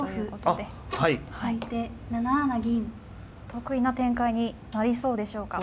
得意な展開になりそうでしょうか。